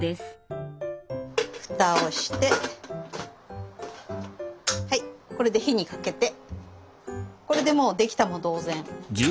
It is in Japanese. フタをしてはいこれで火にかけてこれでもうできたも同然。